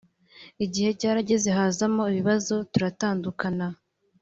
Igihe cyarageza hazamo ibibazo turatandukana